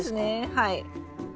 はい。